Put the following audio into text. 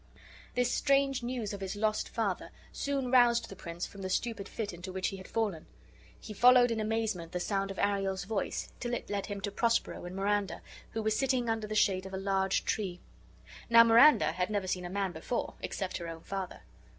This strange news of his lost father soon roused the prince from the stupid fit into which he had fallen. He followed in amazement the sound of Ariel's voice, till it led him to Prospero and Miranda, who were sitting under the shade of a large tree. Now Miranda had never seen a man before, except her own father.